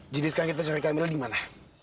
jadi sekarang kita cari kamil di mana